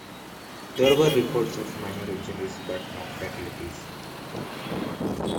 There were reports of minor injuries but no fatalities.